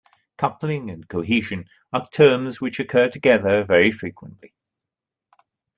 Coupling and cohesion are terms which occur together very frequently.